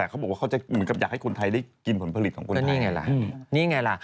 แล้วนี่ไงล่ะนี่ไงล่ะ